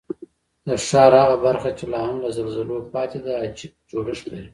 د ښار هغه برخه چې لا هم له زلزلو پاتې ده، عجیب جوړښت لري.